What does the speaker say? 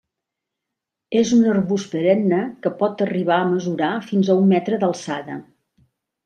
És un arbust perenne que pot arribar a mesurar fins a un metre d'alçada.